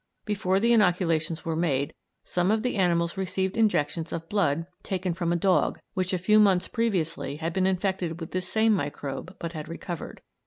Before the inoculations were made some of the animals received injections of blood taken from a dog, which a few months previously had been infected with this same microbe, but had recovered.